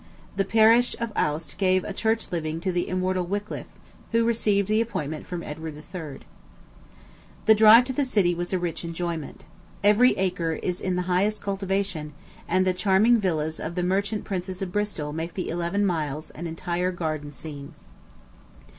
This parish of Aust gave a church living to the immortal Wickliffe, who received the appointment from Edward III. The drive to the city was a rich enjoyment. Every acre is in the highest cultivation, and the charming villas of the merchant princes of Bristol make the eleven miles an entire garden scene.